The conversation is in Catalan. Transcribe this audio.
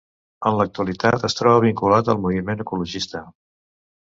En l'actualitat es troba vinculat al moviment ecologista.